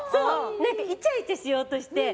イチャイチャしようとして。